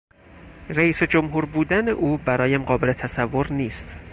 رییس جمهور بودن او برایم قابل تصور نیست.